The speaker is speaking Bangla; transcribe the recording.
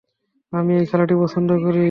আমি এই খেলাটি পছন্দ করি।